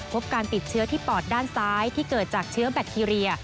พบการติดเชื้อที่ปอดด้านซ้ายที่เกิดจากเชื้อแบคทีเรีย